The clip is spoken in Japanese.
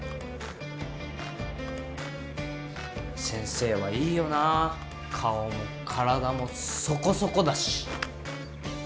先生はいいよな顔も体もそこそこだし。